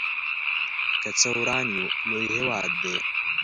څه که وران يو لوی هيواد دی